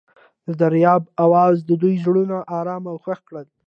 د دریاب اواز د دوی زړونه ارامه او خوښ کړل.